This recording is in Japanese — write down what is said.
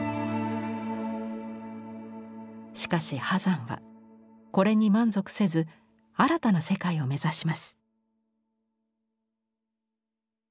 しかし波山はこれに満足せず新たな世界を目指します。